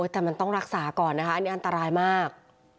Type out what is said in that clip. แต่มันต้องรักษาก่อนนะคะอันนี้อันตรายมาก